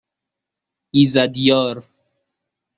ایزدیار